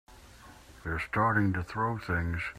They're starting to throw things!